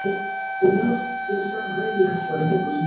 La estación se encuentra en el centro del Kennedy Expressway.